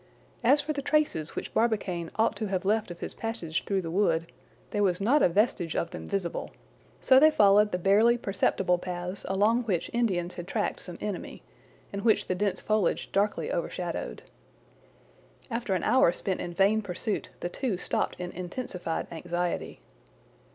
As for the traces which Barbicane ought to have left of his passage through the wood, there was not a vestige of them visible: so they followed the barely perceptible paths along which Indians had tracked some enemy, and which the dense foliage darkly overshadowed. After an hour spent in vain pursuit the two stopped in intensified anxiety.